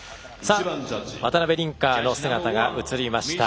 渡辺倫果の姿が映りました。